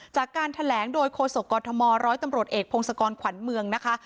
จากการแถลงโดยโฆษกรทมร้อยตำรวจเอกพงศกรขวัญเมืองนะคะ